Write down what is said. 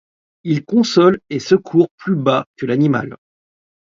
Il console et secourt plus bas que l’animal ;